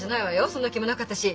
そんな気もなかったし。